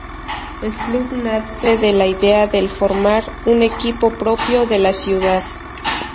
El club nace de la idea de formar un equipo propio de la ciudad.